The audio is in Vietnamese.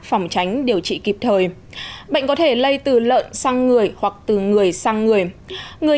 phòng tránh điều trị kịp thời bệnh có thể lây từ lợn sang người hoặc từ người sang người người